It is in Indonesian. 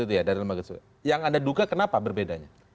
yang anda duka kenapa berbedanya